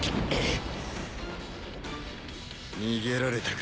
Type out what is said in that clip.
逃げられたか。